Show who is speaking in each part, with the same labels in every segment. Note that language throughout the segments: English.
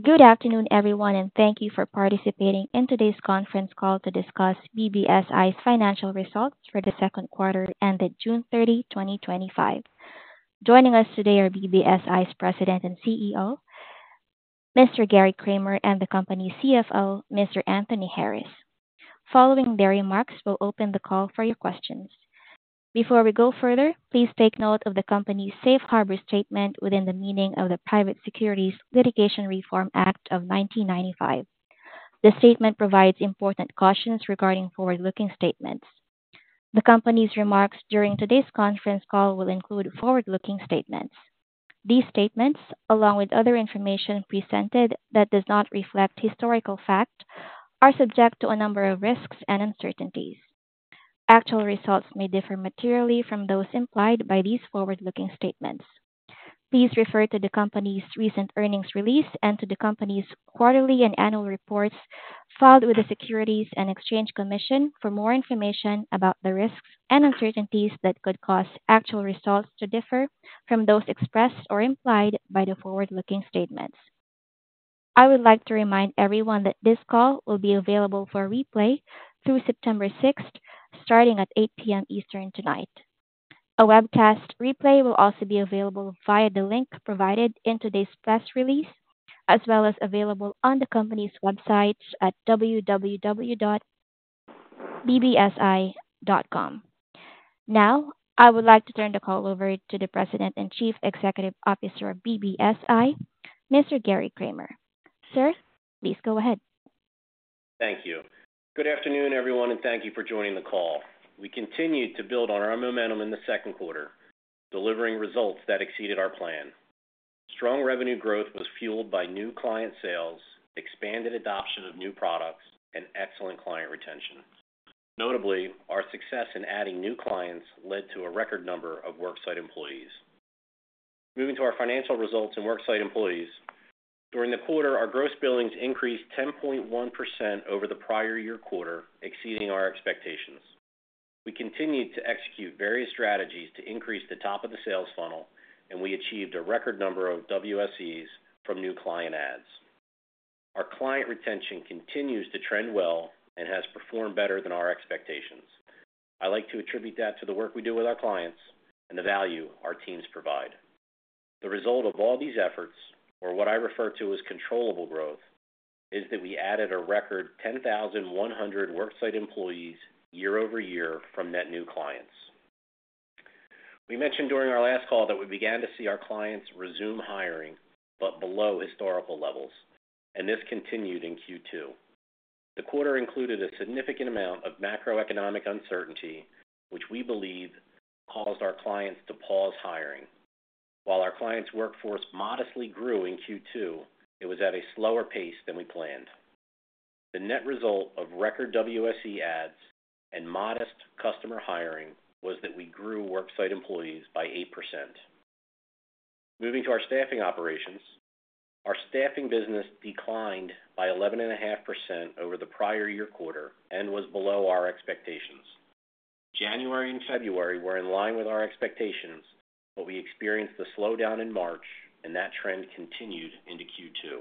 Speaker 1: Good afternoon, everyone, and thank you for participating in today's conference call to discuss BBSI's financial results for the second quarter ended June 30, 2025. Joining us today are BBSI's President and CEO, Mr. Gary Kramer, and the company's CFO, Mr. Anthony Harris. Following their remarks, we'll open the call for your questions. Before we go further, please take note of the company's safe harbor statement within the meaning of the Private Securities Litigation Reform Act of 1995. The statement provides important cautions regarding forward-looking statements. The company's remarks during today's conference call will include forward-looking statements. These statements, along with other information presented that does not reflect historical fact, are subject to a number of risks and uncertainties. Actual results may differ materially from those implied by these forward-looking statements. Please refer to the company's recent earnings release and to the company's quarterly and annual reports filed with the Securities and Exchange Commission for more information about the risks and uncertainties that could cause actual results to differ from those expressed or implied by the forward-looking statements. I would like to remind everyone that this call will be available for replay through September 6, starting at 8:00 P.M. Eastern tonight. A webcast replay will also be available via the link provided in today's press release, as well as available on the company's website at www.bbsi.com. Now, I would like to turn the call over to the President and Chief Executive Officer of BBSI, Mr. Gary Kramer. Sir, please go ahead.
Speaker 2: Thank you. Good afternoon, everyone, and thank you for joining the call. We continue to build on our momentum in the second quarter, delivering results that exceeded our plan. Strong revenue growth was fueled by new client sales, expanded adoption of new products, and excellent client retention. Notably, our success in adding new clients led to a record number of worksite employees. Moving to our financial results and worksite employees, during the quarter, our gross billings increased 10.1% over the prior year quarter, exceeding our expectations. We continued to execute various strategies to increase the top of the sales funnel, and we achieved a record number of WSEs from new client ads. Our client retention continues to trend well and has performed better than our expectations. I like to attribute that to the work we do with our clients and the value our teams provide. The result of all these efforts, or what I refer to as controllable growth, is that we added a record 10,100 worksite employees year-over-year from net new clients. We mentioned during our last call that we began to see our clients resume hiring, but below historical levels, and this continued in Q2. The quarter included a significant amount of macro-economic uncertainty, which we believe caused our clients to pause hiring. While our clients' workforce modestly grew in Q2, it was at a slower pace than we planned. The net result of record WSE ads and modest customer hiring was that we grew worksite employees by 8%. Moving to our staffing operations, our staffing business declined by 11.5% over the prior year quarter and was below our expectations. January and February were in line with our expectations, but we experienced a slowdown in March, and that trend continued into Q2.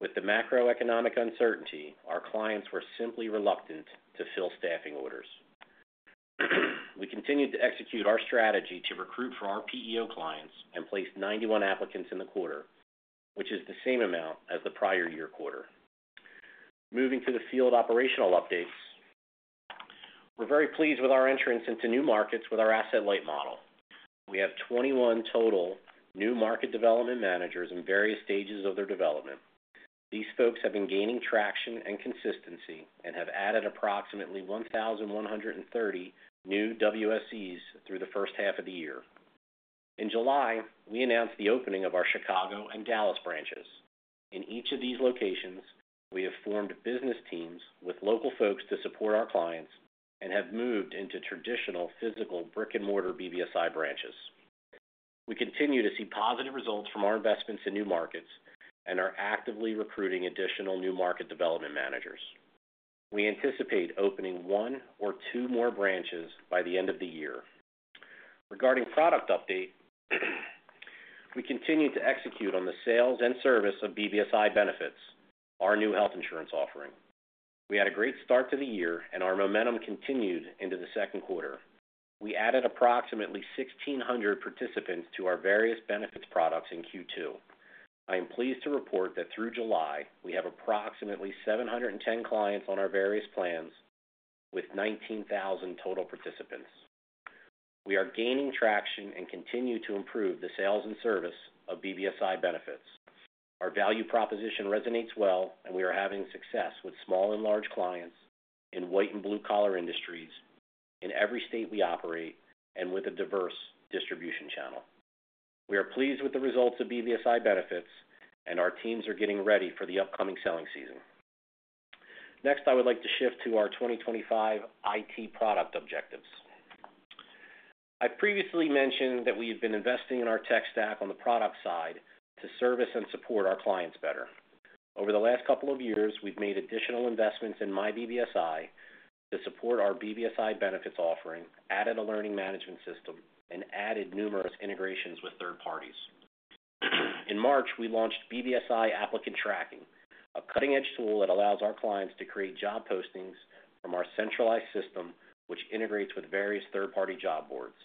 Speaker 2: With the macro-economic uncertainty, our clients were simply reluctant to fill staffing orders. We continued to execute our strategy to recruit for our PEO clients and placed 91 applicants in the quarter, which is the same amount as the prior year quarter. Moving to the field operational updates, we're very pleased with our entrance into new markets with our asset-light model. We have 21 total new market development managers in various stages of their development. These folks have been gaining traction and consistency and have added approximately 1,130 new WSEs through the first half of the year. In July, we announced the opening of our Chicago and Dallas branches. In each of these locations, we have formed business teams with local folks to support our clients and have moved into traditional physical brick-and-mortar BBSI branches. We continue to see positive results from our investments in new markets and are actively recruiting additional new market development managers. We anticipate opening one or two more branches by the end of the year. Regarding product update, we continue to execute on the sales and service of BBSI Benefits, our new health insurance offering. We had a great start to the year, and our momentum continued into the second quarter. We added approximately 1,600 participants to our various benefits products in Q2. I am pleased to report that through July, we have approximately 710 clients on our various plans with 19,000 total participants. We are gaining traction and continue to improve the sales and service of BBSI Benefits. Our value proposition resonates well, and we are having success with small and large clients in white and blue-collar industries, in every state we operate, and with a diverse distribution channel. We are pleased with the results of BBSI Benefits, and our teams are getting ready for the upcoming selling season. Next, I would like to shift to our 2025 IT product objectives. I previously mentioned that we have been investing in our tech stack on the product side to service and support our clients better. Over the last couple of years, we've made additional investments in myBBSI platform to support our BBSI Benefits offering, added a learning management system, and added numerous integrations with third parties. In March, we launched BBSI Applicant Tracking System, a cutting-edge tool that allows our clients to create job postings from our centralized system, which integrates with various third-party job boards.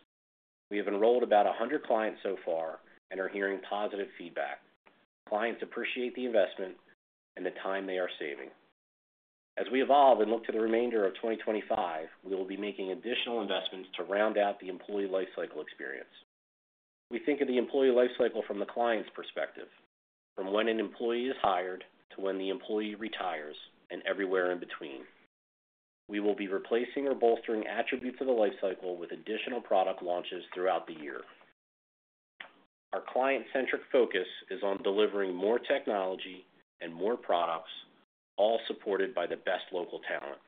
Speaker 2: We have enrolled about 100 clients so far and are hearing positive feedback. Clients appreciate the investment and the time they are saving. As we evolve and look to the remainder of 2025, we will be making additional investments to round out the employee lifecycle experience. We think of the employee lifecycle from the client's perspective, from when an employee is hired to when the employee retires and everywhere in between. We will be replacing or bolstering attributes of the lifecycle with additional product launches throughout the year. Our client-centric focus is on delivering more technology and more products, all supported by the best local talent.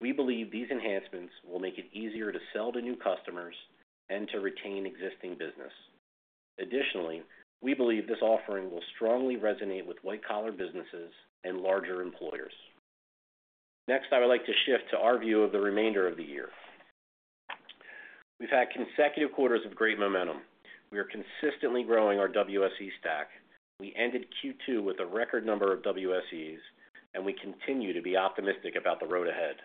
Speaker 2: We believe these enhancements will make it easier to sell to new customers and to retain existing business. Additionally, we believe this offering will strongly resonate with white-collar businesses and larger employers. Next, I would like to shift to our view of the remainder of the year. We've had consecutive quarters of great momentum. We are consistently growing our WSE stack. We ended Q2 with a record number of WSEs, and we continue to be optimistic about the road ahead.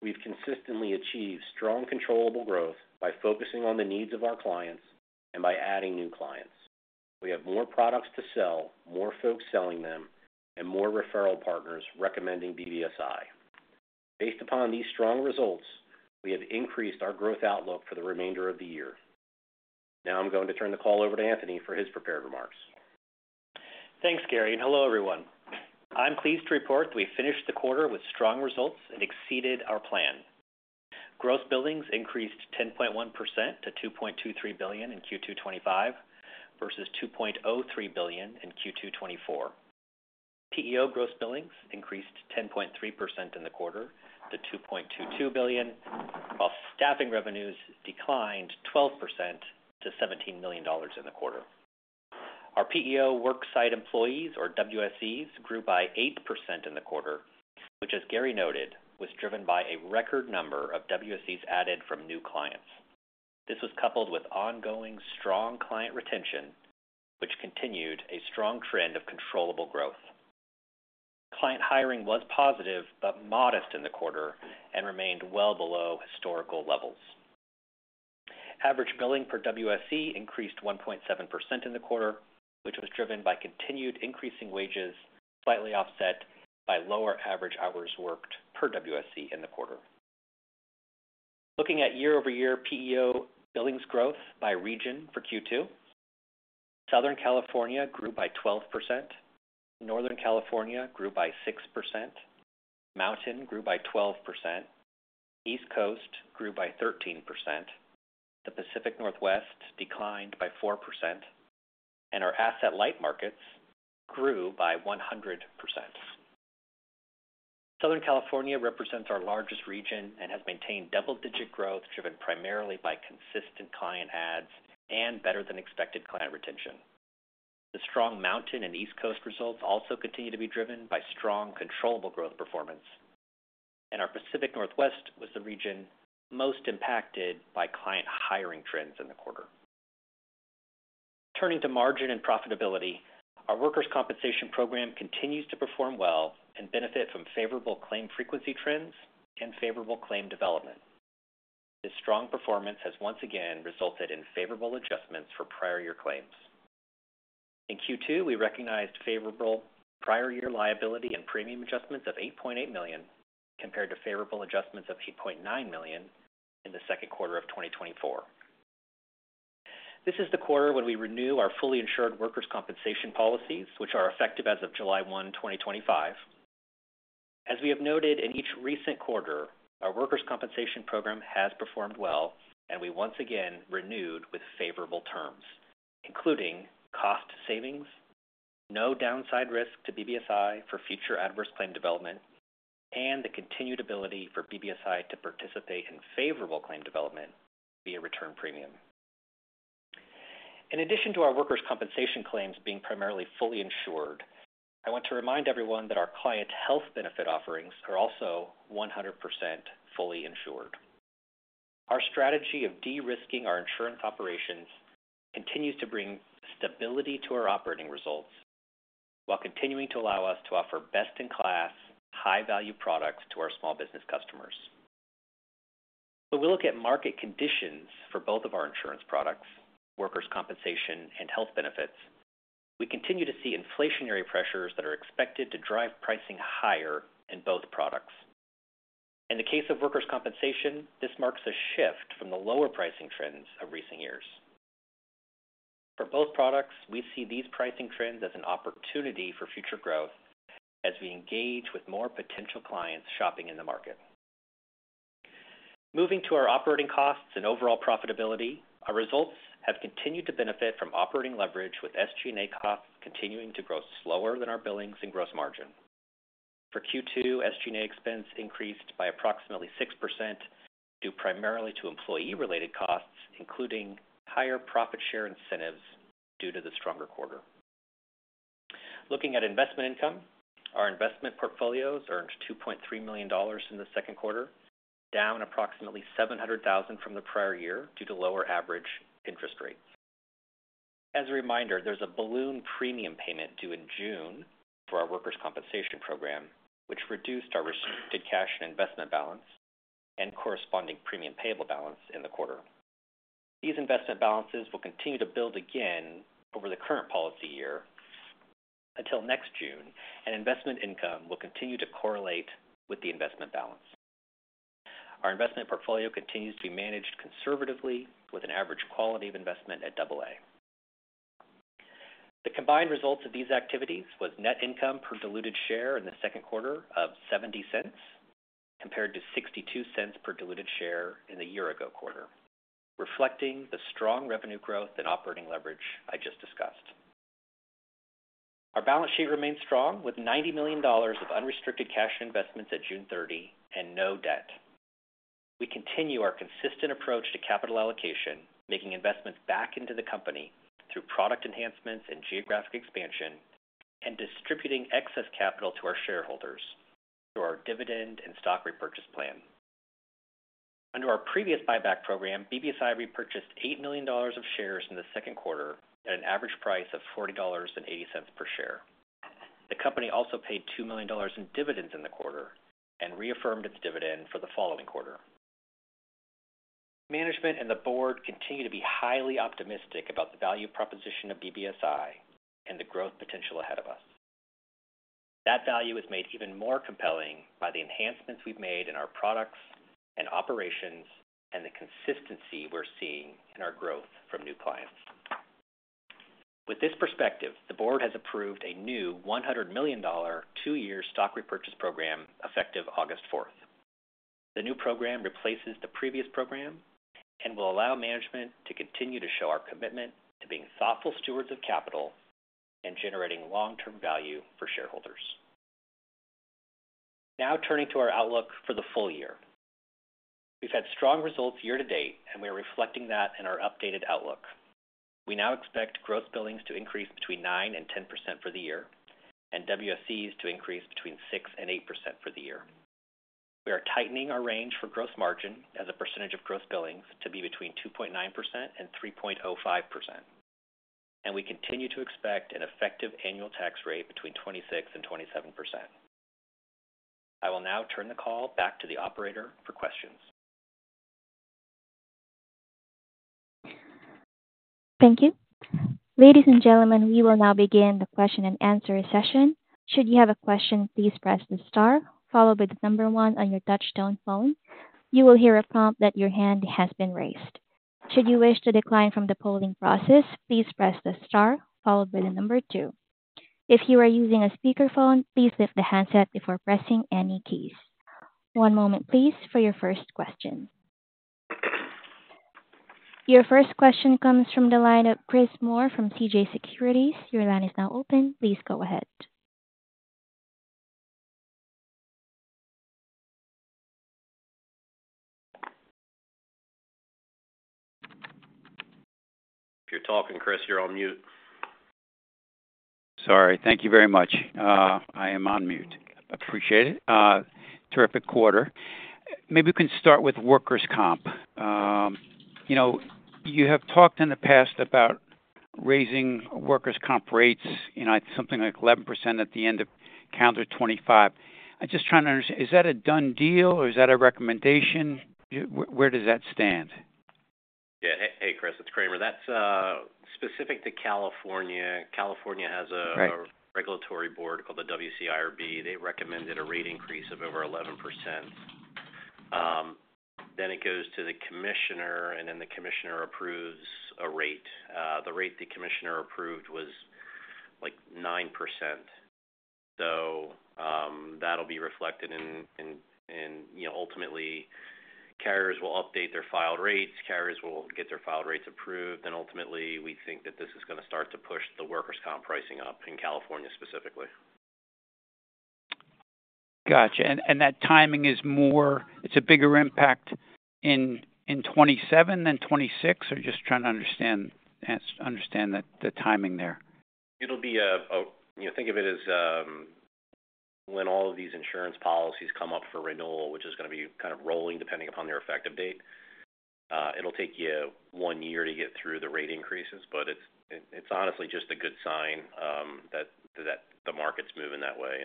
Speaker 2: We've consistently achieved strong controllable growth by focusing on the needs of our clients and by adding new clients. We have more products to sell, more folks selling them, and more referral partners recommending BBSI. Based upon these strong results, we have increased our growth outlook for the remainder of the year. Now I'm going to turn the call over to Anthony for his prepared remarks.
Speaker 3: Thanks, Gary, and hello, everyone. I'm pleased to report that we finished the quarter with strong results and exceeded our plan. Gross billings increased 10.1% to $2.23 billion in Q2 2025 versus $2.03 billion in Q2 2024. PEO gross billings increased 10.3% in the quarter to $2.22 billion, while staffing revenues declined 12% to $17 million in the quarter. Our PEO worksite employees, or WSEs, grew by 8% in the quarter, which, as Gary noted, was driven by a record number of WSEs added from new clients. This was coupled with ongoing strong client retention, which continued a strong trend of controllable growth. Client hiring was positive but modest in the quarter and remained well below historical levels. Average billing per WSE increased 1.7% in the quarter, which was driven by continued increasing wages, slightly offset by lower average hours worked per WSE in the quarter. Looking at year-over-year PEO billings growth by region for Q2, Southern California grew by 12%, Northern California grew by 6%, Mountain grew by 12%, East Coast grew by 13%, the Pacific Northwest declined by 4%, and our asset-light markets grew by 100%. Southern California represents our largest region and has maintained double-digit growth driven primarily by consistent client adds and better-than-expected client retention. The strong Mountain and East Coast results also continue to be driven by strong controllable growth performance. Our Pacific Northwest was the region most impacted by client hiring trends in the quarter. Turning to margin and profitability, our workers' compensation program continues to perform well and benefit from favorable claim frequency trends and favorable claim development. This strong performance has once again resulted in favorable adjustments for prior-year claims. In Q2, we recognized favorable prior-year liability and premium adjustments of $8.8 million compared to favorable adjustments of $8.9 million in the second quarter of 2024. This is the quarter when we renew our fully insured workers' compensation policies, which are effective as of July 1, 2025. As we have noted in each recent quarter, our workers' compensation program has performed well, and we once again renewed with favorable terms, including cost savings, no downside risk to BBSI for future adverse claim development, and the continued ability for BBSI to participate in favorable claim development via return premium. In addition to our workers' compensation claims being primarily fully insured, I want to remind everyone that our clients' health benefit offerings are also 100% fully insured. Our strategy of de-risking our insurance operations continues to bring stability to our operating results while continuing to allow us to offer best-in-class, high-value products to our small business customers. When we look at market conditions for both of our insurance products, workers' compensation and health benefits, we continue to see inflationary pressures that are expected to drive pricing higher in both products. In the case of workers' compensation, this marks a shift from the lower pricing trends of recent years. For both products, we see these pricing trends as an opportunity for future growth as we engage with more potential clients shopping in the market. Moving to our operating costs and overall profitability, our results have continued to benefit from operating leverage with SG&A costs continuing to grow slower than our billings and gross margin. For Q2, SG&A expense increased by approximately 6%, due primarily to employee-related costs, including higher profit share incentives due to the stronger quarter. Looking at investment income, our investment portfolios earned $2.3 million in the second quarter, down approximately $700,000 from the prior year due to lower average interest rates. As a reminder, there's a balloon premium payment due in June for our workers' compensation program, which reduced our restricted cash and investment balance and corresponding premium payable balance in the quarter. These investment balances will continue to build again over the current policy year until next June, and investment income will continue to correlate with the investment balance. Our investment portfolio continues to be managed conservatively with an average quality of investment at AA. The combined results of these activities were net income per diluted share in the second quarter of $0.70 compared to $0.62 per diluted share in the year-ago quarter, reflecting the strong revenue growth and operating leverage I just discussed. Our balance sheet remains strong with $90 million of unrestricted cash investments at June 30 and no debt. We continue our consistent approach to capital allocation, making investments back into the company through product enhancements and geographic expansion, and distributing excess capital to our shareholders through our dividend and stock repurchase plan. Under our previous buyback program, BBSI repurchased $8 million of shares in the second quarter at an average price of $40.80 per share. The company also paid $2 million in dividends in the quarter and reaffirmed its dividend for the following quarter. Management and the Board continue to be highly optimistic about the value proposition of BBSI and the growth potential ahead of us. That value is made even more compelling by the enhancements we've made in our products and operations, and the consistency we're seeing in our growth from new clients. With this perspective, the Board has approved a new $100 million two-year stock repurchase program effective August 4. The new program replaces the previous program and will allow management to continue to show our commitment to being thoughtful stewards of capital and generating long-term value for shareholders. Now turning to our outlook for the full year, we've had strong results year to date, and we are reflecting that in our updated outlook. We now expect gross billings to increase between 9% and 10% for the year and WSEs to increase between 6% and 8% for the year. We are tightening our range for gross margin as a percentage of gross billings to be between 2.9% and 3.05%, and we continue to expect an effective annual tax rate between 26% and 27%. I will now turn the call back to the operator for questions.
Speaker 1: Thank you. Ladies and gentlemen, we will now begin the question and answer session. Should you have a question, please press the star followed by the number one on your touchtone phone. You will hear a prompt that your hand has been raised. Should you wish to decline from the polling process, please press the star followed by the number two. If you are using a speakerphone, please lift the handset before pressing any keys. One moment, please, for your first question. Your first question comes from the line of Chris Moore from CJS Securities. Your line is now open. Please go ahead.
Speaker 2: If you're talking, Chris, you're on mute.
Speaker 4: Thank you very much. I am on mute. Appreciate it. Terrific quarter. Maybe we can start with workers' comp. You have talked in the past about raising workers' comp rates at something like 11% at the end of calendar 2025. I'm just trying to understand, is that a done deal or is that a recommendation? Where does that stand?
Speaker 2: Yeah. Hey, Chris, it's Kramer. That's specific to California. California has a regulatory board called the WCIRB. They recommended a rate increase of over 11%. It goes to the commissioner, and the commissioner approves a rate. The rate the commissioner approved was like 9%. That'll be reflected in, you know, ultimately, carriers will update their filed rates. Carriers will get their filed rates approved. Ultimately, we think that this is going to start to push the workers' comp pricing up in California specifically.
Speaker 4: Gotcha. Is that timing more, it's a bigger impact in 2027 than 2026? I'm just trying to understand the timing there.
Speaker 2: Think of it as when all of these insurance policies come up for renewal, which is going to be kind of rolling depending upon their effective date. It'll take you one year to get through the rate increases, but it's honestly just a good sign that the market's moving that way.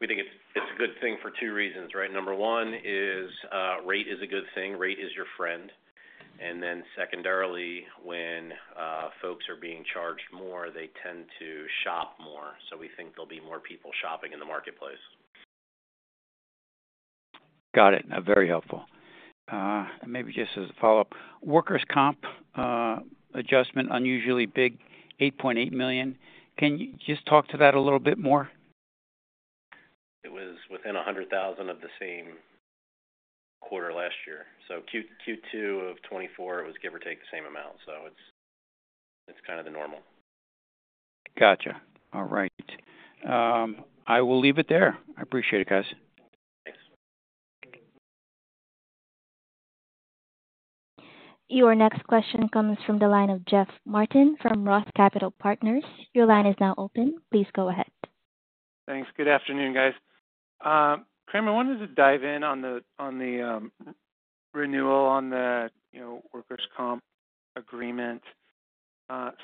Speaker 2: We think it's a good thing for two reasons, right? Number one is rate is a good thing. Rate is your friend. Secondarily, when folks are being charged more, they tend to shop more. We think there'll be more people shopping in the marketplace.
Speaker 4: Got it. Very helpful. Maybe just as a follow-up, workers' comp adjustment, unusually big, $8.8 million. Can you just talk to that a little bit more?
Speaker 2: It was within $100,000 of the same quarter last year. Q2 of 2024, it was give or take the same amount. It's kind of the normal.
Speaker 4: Gotcha. All right. I will leave it there. I appreciate it, guys.
Speaker 1: Your next question comes from the line of Jeff Martin from ROTH Capital Partners. Your line is now open. Please go ahead.
Speaker 5: Thanks. Good afternoon, guys. Gary Kramer, I wanted to dive in on the renewal on the workers' compensation agreement.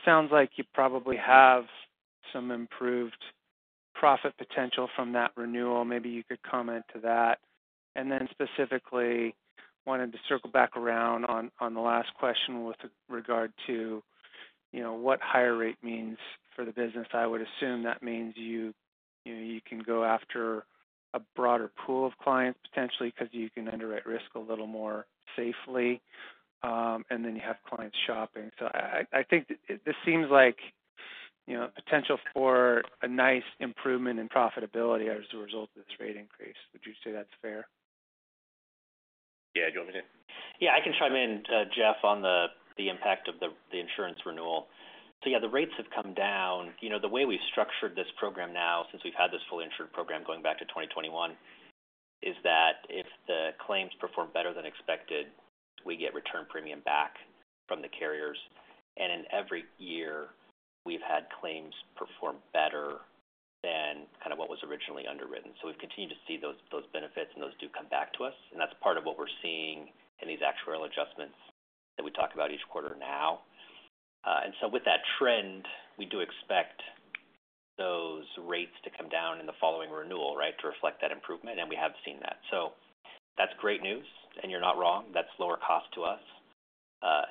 Speaker 5: Sounds like you probably have some improved profit potential from that renewal. Maybe you could comment to that. Specifically, I wanted to circle back around on the last question with regard to what higher rate means for the business. I would assume that means you can go after a broader pool of clients potentially because you can underwrite risk a little more safely. You have clients shopping. I think this seems like potential for a nice improvement in profitability as a result of this rate increase. Would you say that's fair?
Speaker 2: Yeah, do you want me to?
Speaker 3: Yeah, I can chime in, Jeff, on the impact of the insurance renewal. The rates have come down. You know, the way we've structured this program now since we've had this fully insured program going back to 2021 is that if the claims perform better than expected, we get return premium back from the carriers. In every year, we've had claims perform better than kind of what was originally underwritten. We've continued to see those benefits, and those do come back to us. That's part of what we're seeing in these actuarial adjustments that we talk about each quarter now. With that trend, we do expect those rates to come down in the following renewal, right, to reflect that improvement. We have seen that. That's great news, and you're not wrong. That's lower cost to us.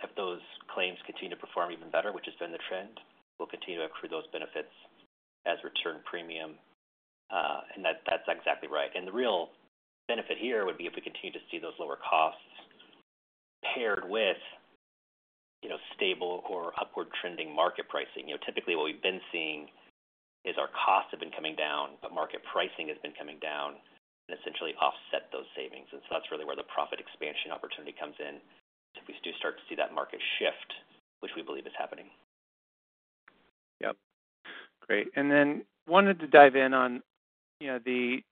Speaker 3: If those claims continue to perform even better, which has been the trend, we'll continue to accrue those benefits as return premium. That's exactly right. The real benefit here would be if we continue to see those lower costs paired with stable or upward trending market pricing. You know, typically, what we've been seeing is our costs have been coming down, but market pricing has been coming down and essentially offset those savings. That's really where the profit expansion opportunity comes in. If we do start to see that market shift, which we believe is happening.
Speaker 5: Great. I wanted to dive in on the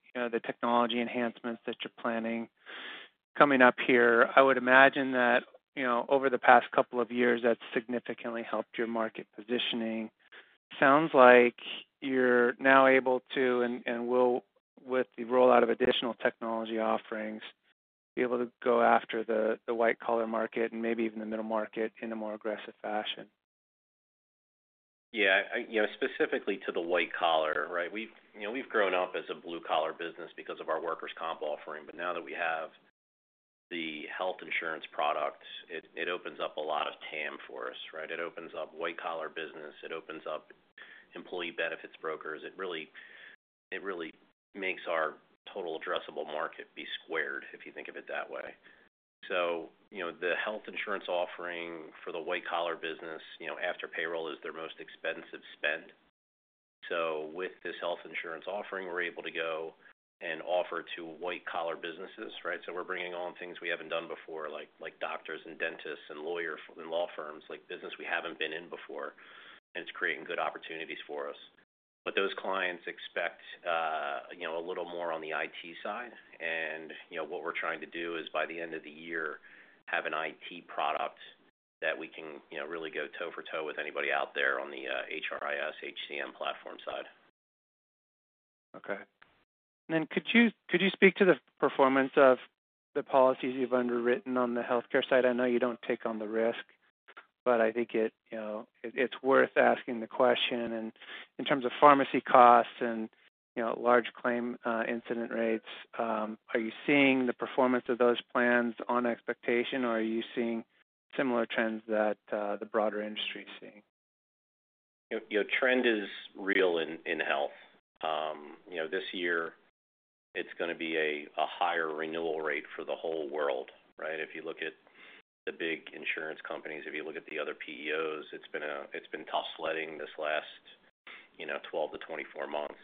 Speaker 5: technology enhancements that you're planning coming up here. I would imagine that over the past couple of years, that's significantly helped your market positioning. It sounds like you're now able to, and will, with the rollout of additional technology offerings, be able to go after the white-collar market and maybe even the middle market in a more aggressive fashion.
Speaker 2: Yeah. Specifically to the white-collar, right? We've grown up as a blue-collar business because of our workers' compensation offering. Now that we have the health insurance product, it opens up a lot of TAM for us, right? It opens up white-collar business. It opens up employee benefits brokers. It really makes our total addressable market be squared, if you think of it that way. The health insurance offering for the white-collar business, after payroll, is their most expensive spend. With this health insurance offering, we're able to go and offer to white-collar businesses, right? We're bringing on things we haven't done before, like doctors and dentists and lawyers and law firms, like business we haven't been in before. It's creating good opportunities for us. Those clients expect a little more on the IT side. What we're trying to do is, by the end of the year, have an IT product that we can really go toe for toe with anybody out there on the HRIS HCM platform side.
Speaker 5: Okay. Could you speak to the performance of the policies you've underwritten on the healthcare side? I know you don't take on the risk, but I think it's worth asking the question. In terms of pharmacy costs and large claim incident rates, are you seeing the performance of those plans on expectation, or are you seeing similar trends that the broader industry is seeing?
Speaker 2: You know, trend is real in health. This year, it's going to be a higher renewal rate for the whole world, right? If you look at the big insurance companies, if you look at the other PEOs, it's been tough sledding this last 12 to 24 months.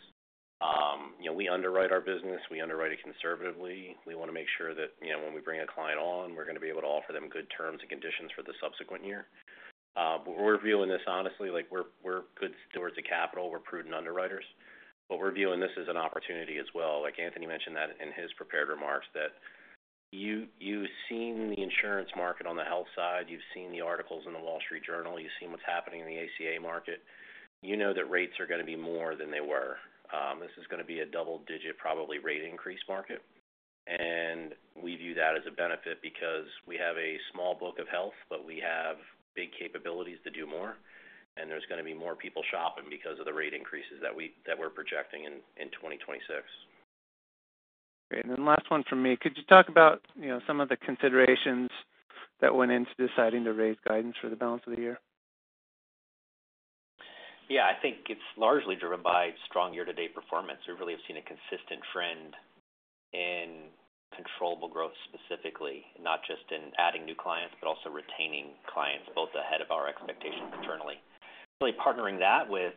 Speaker 2: We underwrite our business. We underwrite it conservatively. We want to make sure that when we bring a client on, we're going to be able to offer them good terms and conditions for the subsequent year. We're viewing this honestly, like we're good stewards of capital. We're prudent underwriters. We're viewing this as an opportunity as well. Anthony mentioned that in his prepared remarks that you've seen the insurance market on the health side. You've seen the articles in The Wall Street Journal. You've seen what's happening in the ACA market. You know that rates are going to be more than they were. This is going to be a double-digit, probably rate increase market. We view that as a benefit because we have a small book of health, but we have big capabilities to do more. There's going to be more people shopping because of the rate increases that we're projecting in 2026.
Speaker 5: Great. The last one from me, could you talk about some of the considerations that went into deciding to raise guidance for the balance of the year?
Speaker 3: Yeah. I think it's largely driven by strong year-to-date performance. We really have seen a consistent trend in controllable growth specifically, not just in adding new clients, but also retaining clients both ahead of our expectations internally. Really partnering that with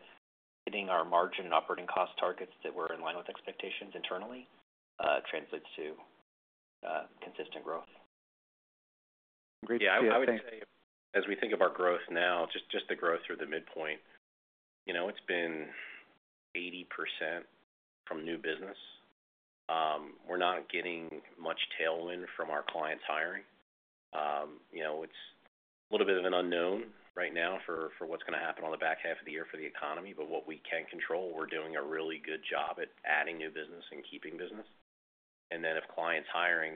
Speaker 3: hitting our margin and operating cost targets that were in line with expectations internally translates to consistent growth.
Speaker 2: Yeah. I would say, as we think of our growth now, just the growth through the midpoint, you know, it's been 80% from new business. We're not getting much tailwind from our clients' hiring. It's a little bit of an unknown right now for what's going to happen on the back half of the year for the economy. What we can control, we're doing a really good job at adding new business and keeping business. If clients' hiring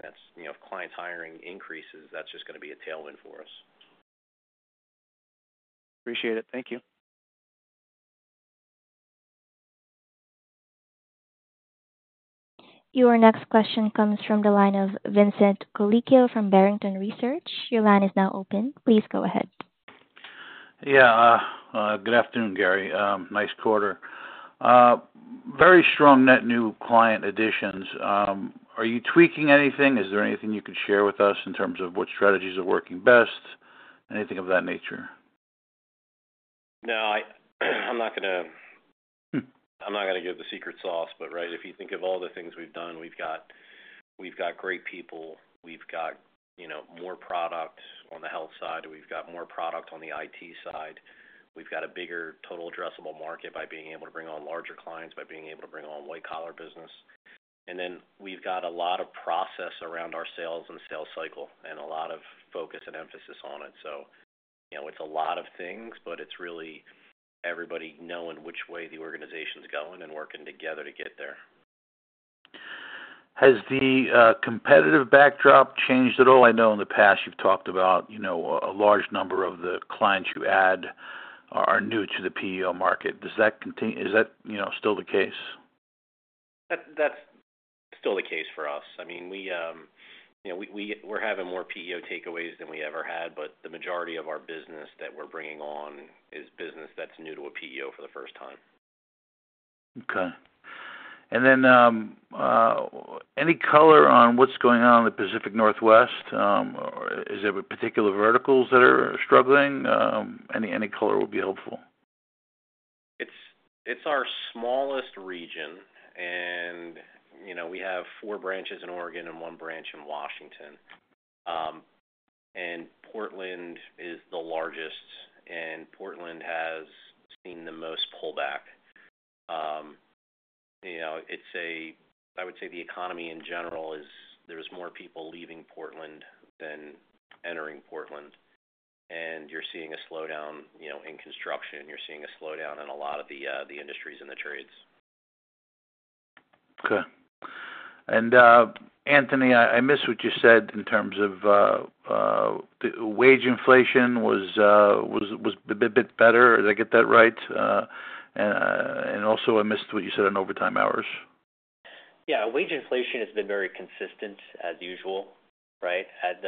Speaker 2: increases, that's just going to be a tailwind for us.
Speaker 5: Appreciate it. Thank you.
Speaker 1: Your next question comes from the line of Vincent Colicchio from Barrington Research. Your line is now open. Please go ahead.
Speaker 6: Yeah. Good afternoon, Gary. Nice quarter. Very strong net new client additions. Are you tweaking anything? Is there anything you could share with us in terms of what strategies are working best? Anything of that nature?
Speaker 2: No, I'm not going to give the secret sauce, but right, if you think of all the things we've done, we've got great people. We've got, you know, more product on the health side. We've got more product on the IT side. We've got a bigger total addressable market by being able to bring on larger clients, by being able to bring on white-collar business. We've got a lot of process around our sales and sales cycle and a lot of focus and emphasis on it. You know, it's a lot of things, but it's really everybody knowing which way the organization's going and working together to get there.
Speaker 6: Has the competitive backdrop changed at all? I know in the past you've talked about a large number of the clients you add are new to the PEO market. Does that continue, is that still the case?
Speaker 2: That's still the case for us. I mean, we're having more PEO takeaways than we ever had, but the majority of our business that we're bringing on is business that's new to a PEO for the first time.
Speaker 6: Okay. Any color on what's going on in the Pacific Northwest? Is there particular verticals that are struggling? Any color would be helpful.
Speaker 2: It's our smallest region. We have four branches in Oregon and one branch in Washington. Portland is the largest, and Portland has seen the most pullback. I would say the economy in general is there's more people leaving Portland than entering Portland. You're seeing a slowdown in construction. You're seeing a slowdown in a lot of the industries and the trades.
Speaker 5: Okay. Anthony, I missed what you said in terms of the wage inflation was a bit better. Did I get that right? I also missed what you said on overtime hours.
Speaker 3: Yeah. Wage inflation has been very consistent as usual, right? That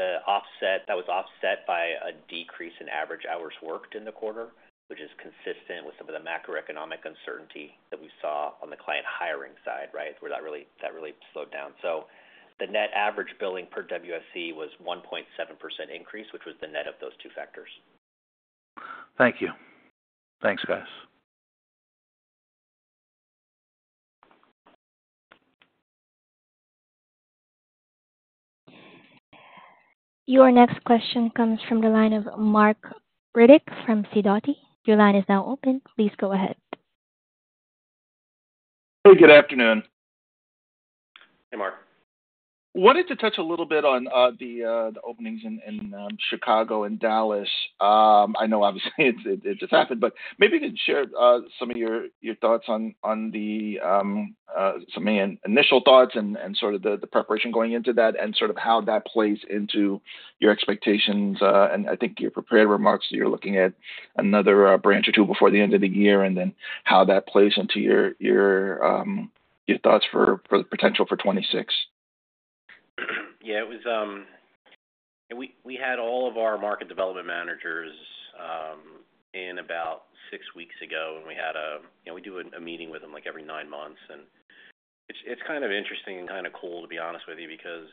Speaker 3: was offset by a decrease in average hours worked in the quarter, which is consistent with some of the macro-economic uncertainty that we saw on the client hiring side, right? That really slowed down. The net average billing per WSE was a 1.7% increase, which was the net of those two factors. Thank you.
Speaker 5: Thanks, guys.
Speaker 1: Your next question comes from the line of Marc Riddick from Sidoti. Your line is now open. Please go ahead.
Speaker 7: Good afternoon.
Speaker 2: Hey, Mark.
Speaker 7: Wanted to touch a little bit on the openings in Chicago and Dallas. I know, obviously, it just happened, but maybe you could share some of your thoughts on the, maybe initial thoughts and sort of the preparation going into that and how that plays into your expectations. I think your prepared remarks said you're looking at another branch or two before the end of the year and how that plays into your thoughts for the potential for 2026.
Speaker 2: Yeah. It was, and we had all of our Market Development Managers in about six weeks ago, and we had a, you know, we do a meeting with them like every nine months. It's kind of interesting and kind of cool, to be honest with you, because,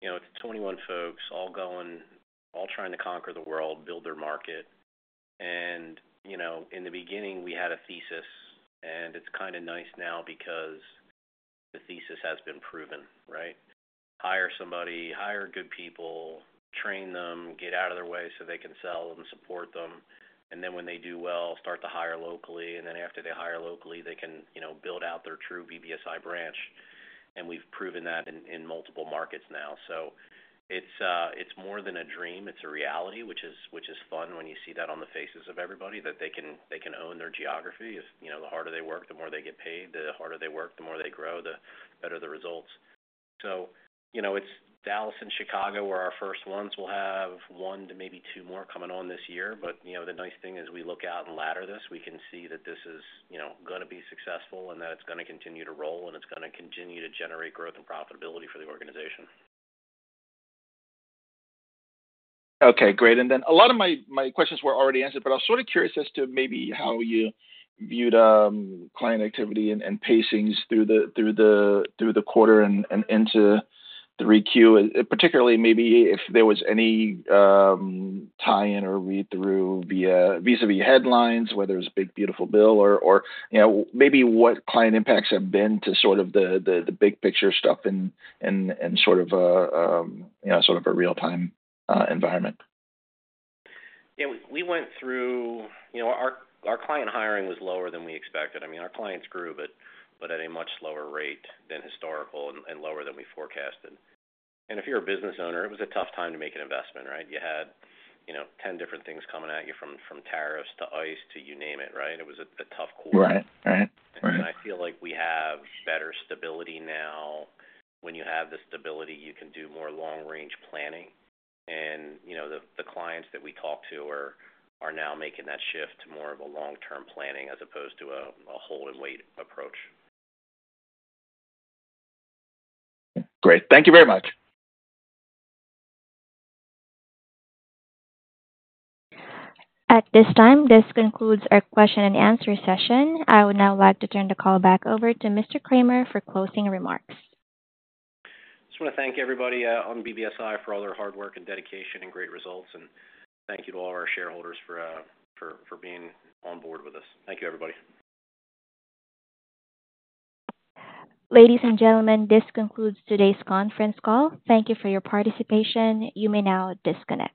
Speaker 2: you know, it's 21 folks all going, all trying to conquer the world, build their market. In the beginning, we had a thesis, and it's kind of nice now because the thesis has been proven, right? Hire somebody, hire good people, train them, get out of their way so they can sell and support them. When they do well, start to hire locally. After they hire locally, they can, you know, build out their true BBSI branch. We've proven that in multiple markets now. It's more than a dream. It's a reality, which is fun when you see that on the faces of everybody, that they can own their geography. You know, the harder they work, the more they get paid. The harder they work, the more they grow, the better the results. Dallas and Chicago were our first ones. We'll have one to maybe two more coming on this year. The nice thing is we look out and ladder this. We can see that this is, you know, going to be successful and that it's going to continue to roll and it's going to continue to generate growth and profitability for the organization.
Speaker 7: Okay. Great. A lot of my questions were already answered, but I was sort of curious as to maybe how you viewed client activity and pacings through the quarter and into 3Q, particularly maybe if there was any tie-in or read-through vis-à-vis headlines, whether it was a big, beautiful bill or, you know, maybe what client impacts have been to sort of the big-picture stuff in sort of a, you know, sort of a real-time environment.
Speaker 2: Yeah. We went through, you know, our client hiring was lower than we expected. I mean, our clients grew, but at a much slower rate than historical and lower than we forecasted. If you're a business owner, it was a tough time to make an investment, right? You had, you know, 10 different things coming at you from tariffs to ICE to you name it, right? It was a tough quarter.
Speaker 7: Right. Right.
Speaker 2: I feel like we have better stability now. When you have the stability, you can do more long-range planning. The clients that we talk to are now making that shift to more of a long-term planning as opposed to a hold-and-wait approach.
Speaker 6: Great. Thank you very much.
Speaker 1: At this time, this concludes our question and answer session. I would now like to turn the call back over to Mr. Kramer for closing remarks.
Speaker 2: I just want to thank everybody at BBSI for all their hard work and dedication and great results. Thank you to all our shareholders for being on board with us. Thank you, everybody.
Speaker 1: Ladies and gentlemen, this concludes today's conference call. Thank you for your participation. You may now disconnect.